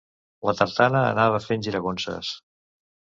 La tartana anava fent giragonses.